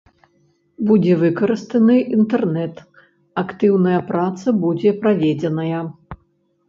Будзе выкарыстаны інтэрнэт, актыўная праца будзе праведзеная.